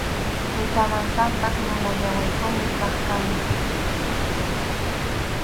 Tutamantanpas mulallaywanpuni kaq kani.